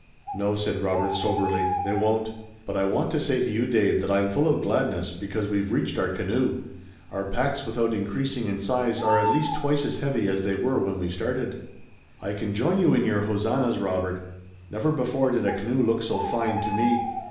"No," said Robert, soberly. "They won't. But I want to say to you, Dave, that I'm full of gladness, because we've reached our canoe. Our packs without increasing in size are at least twice as heavy as they were when we started." "I can join you in your hosannas, Robert. Never before did a canoe look so fine to me.